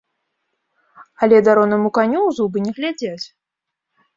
Але даронаму каню ў зубы не глядзяць.